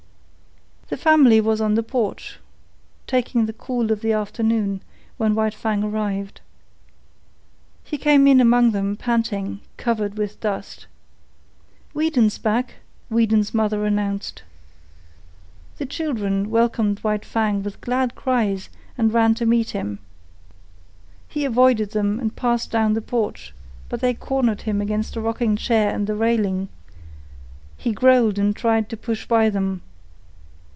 The family was on the porch, taking the cool of the afternoon, when White Fang arrived. He came in among them, panting, covered with dust. "Weedon's back," Weedon's mother announced. The children welcomed White Fang with glad cries and ran to meet him. He avoided them and passed down the porch, but they cornered him against a rocking chair and the railing. He growled and tried to push by them.